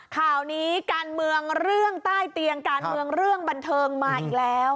ข่าวนี้การเมืองเรื่องใต้เตียงการเมืองเรื่องบันเทิงมาอีกแล้ว